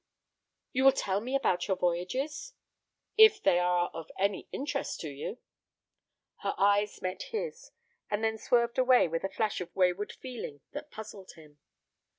"You will tell me about your voyages?" "If they are of any interest to you." Her eyes met his, and then swerved away with a flash of wayward feeling that puzzled him.